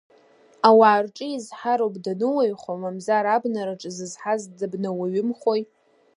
Ауаа рҿы изҳароуп дануаҩхо, мамзар абнараҿы зызҳаз дыбнауаҩымхои…